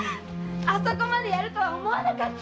あそこまでやるとは思わなかった。